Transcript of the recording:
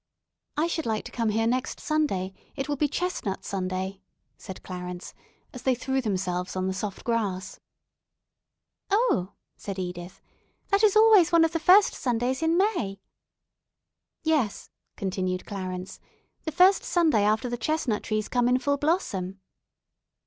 "I should like to come here next Sunday; it will be 'Chestnut Sunday'" said Clarence, as they threw themselves on the soft grass. "Oh," said Edith, "that is always one of the first Sundays in May." "Yes," continued Clarence, "the first Sunday after the chestnut trees come in full blossom."